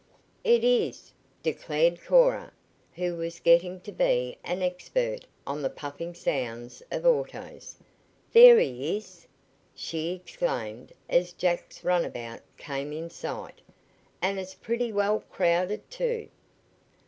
"It is," declared Cora, who was getting to be an expert on the puffing sounds of autos. "There he is!" she exclaimed as Jack's runabout came in sight. "And it's pretty well crowded, too."